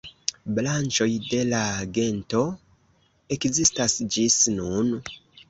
Branĉoj de la gento ekzistas ĝis nun.